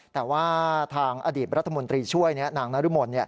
แต่ว่าทางอดีตรัฐมนตรีช่วยนางนรมน